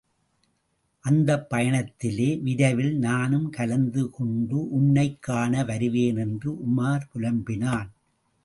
அந்தப் பயணத்திலே விரைவில் நானும் கலந்து கொண்டு உன்னைக் காண வருவேன் என்று உமார் புலம்பினான்.